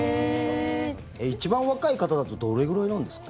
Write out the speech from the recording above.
一番若い方だとどれくらいなんですか？